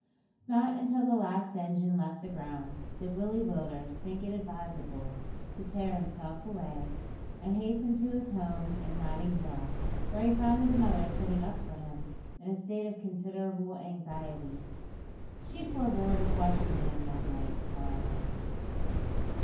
Not until the last engine left the ground, did Willie Willders think it advisable to tear himself away, and hasten to his home in Notting Hill, where he found his mother sitting up for him in a state of considerable anxiety. She forebore to question him that night, however.